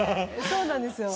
そうなんですよ。